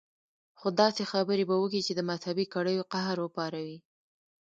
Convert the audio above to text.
خو داسې خبرې به وکي چې د مذهبي کړيو قهر وپاروي.